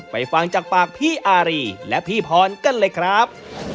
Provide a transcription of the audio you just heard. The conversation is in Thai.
ฟังจากปากพี่อารีและพี่พรกันเลยครับ